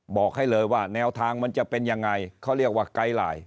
บอกให้เลยว่าแนวทางมันจะเป็นยังไงเขาเรียกว่าไกด์ไลน์